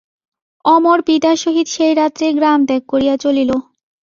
অমর পিতার সহিত সেই রাত্রেই গ্রাম ত্যাগ করিয়া চলিল।